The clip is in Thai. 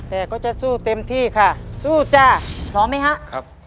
แต่ก็จะสู้เต็มที่ค่ะสู้จ้ะ